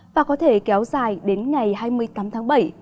và có thể kéo dài đến ngày hai mươi tám tháng bảy